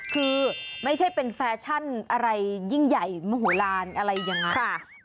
คือไม่ใช่เป็นแฟชั่นอะไรยิ่งใหญ่มโหลานอะไรอย่างนั้น